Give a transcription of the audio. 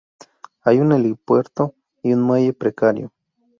Hay un helipuerto y un muelle precario.